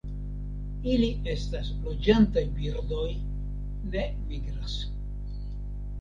Ili estas loĝantaj birdoj, ne migras.